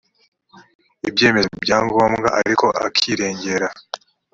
ibyemezo bya ngombwa ariko akirengera